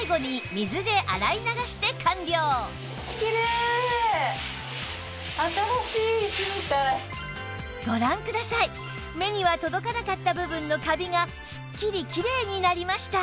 では久しぶりにそしてご覧ください！目には届かなかった部分のカビがすっきりキレイになりました